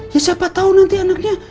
ya siapa tahu nanti anaknya